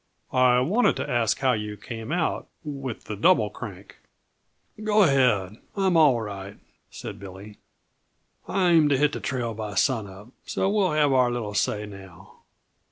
"I wanted to ask how you came out with the Double Crank." "Go ahead; I'm all right," said Billy. "I aim to hit the trail by sun up, so we'll have our little say now."